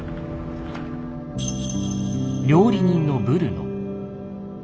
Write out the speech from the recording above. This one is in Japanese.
料理人のブルノ。